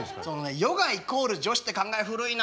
ヨガイコール女子って考え古いな。